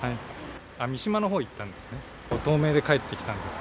三島のほうに行ったんです。